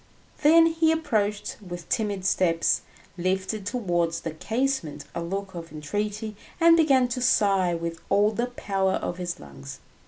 Then he approached with timid steps, lifted towards the casement a look of entreaty, and began to sigh with all the power of his lungs.